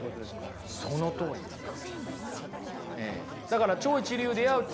そのとおりなんですよ。